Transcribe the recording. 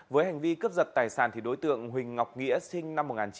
với hành vi cướp giật tài sản đối tượng huỳnh ngọc nghĩa sinh năm một nghìn chín trăm tám mươi